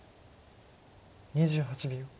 ２８秒。